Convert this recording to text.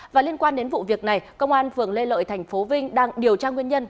và liên quan đến vụ việc này công an phường lê lợi tp vinh đang điều tra nguyên nhân